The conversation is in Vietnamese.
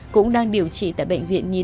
cũng đang điều trị tại bệnh viện nhiều lần